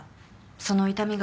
「その痛みが」